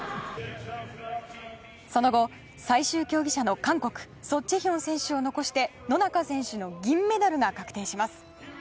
その後最終競技者のトップソ・チェヒョン選手を残して野中選手の銀メダルが確定します。